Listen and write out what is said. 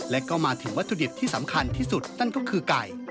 และก็มาถึงวัตถุดิบที่สำคัญที่สุดนั่นก็คือไก่